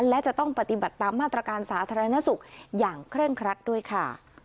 และจะต้องปฏิบัติตามมาตรการสาธารณสุขอย่างเคร่งครัดด้วยค่ะ